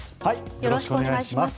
よろしくお願いします。